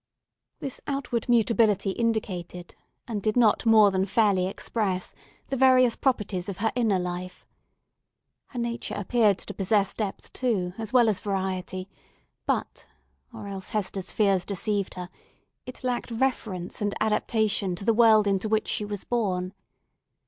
This outward mutability indicated, and did not more than fairly express, the various properties of her inner life. Her nature appeared to possess depth, too, as well as variety; but—or else Hester's fears deceived her—it lacked reference and adaptation to the world into which she was born.